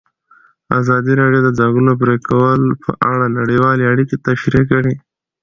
ازادي راډیو د د ځنګلونو پرېکول په اړه نړیوالې اړیکې تشریح کړي.